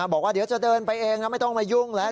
บอกว่าเดี๋ยวจะเดินไปเองแล้วไม่ต้องมายุ่งแล้ว